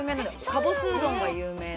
カボスうどんが有名な。